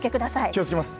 気をつけます。